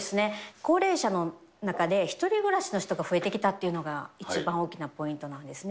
高齢者の中で、１人暮らしの人が増えてきたっていうのが、一番大きなポイントなんですね。